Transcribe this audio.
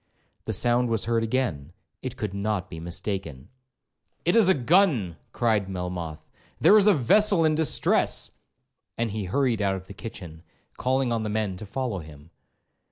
The sound was heard again,—it could not be mistaken. 'It is a gun,' cried Melmoth; 'there is a vessel in distress!' and he hurried out of the kitchen, calling on the men to follow him.